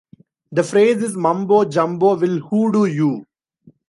The phrase is "Mumbo Jumbo will hoodoo you".